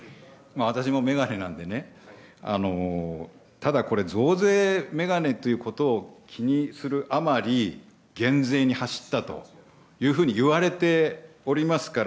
私もメガネなんでね、ただこれ、増税メガネということを気にするあまり、減税に走ったというふうにいわれておりますから。